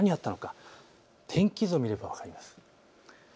天気図を見れば分かります。